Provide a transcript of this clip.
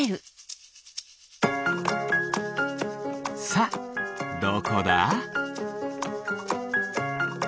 さあどこだ？